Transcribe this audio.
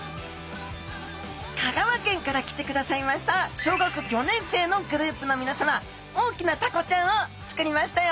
香川県から来てくださいました小学５年生のグループのみなさま大きなタコちゃんを作りましたよ。